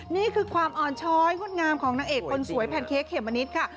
นี่คือความอ่อนช้อยงดงามของนางเอกคนสวยแพนเค้กเขมมะนิดค่ะ